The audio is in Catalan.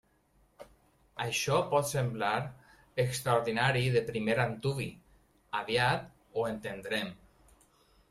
Això pot semblar extraordinari de primer antuvi; aviat ho entendrem.